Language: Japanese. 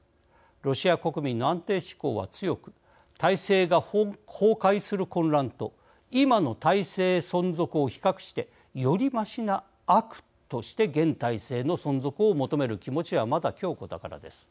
ロシア国民の安定志向は強く体制が崩壊する混乱と今の体制存続を比較してよりましな悪として現体制の存続を求める気持ちはまだ強固だからです。